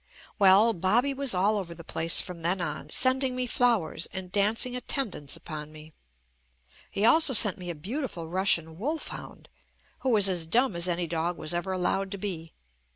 Well, Bobby was all over the place from then on, sending me flowers and dancing attendance upon me. He also sent me a beautiful Rus sian wolfhound, who was as dumb as any dog was ever allowed to be.